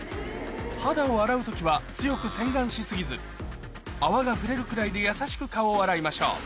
肌を洗う時は強く洗顔し過ぎず泡が触れるくらいで優しく顔を洗いましょう